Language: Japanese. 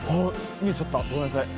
見えちゃったごめんなさい。